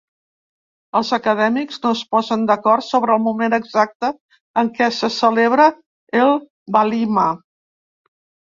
Els acadèmics no es posen d'acord sobre el moment exacte en què se celebra el "walima".